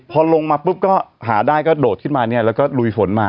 พอลงมาปุ๊บก็หาได้ก็โดดขึ้นมาเนี่ยแล้วก็ลุยฝนมา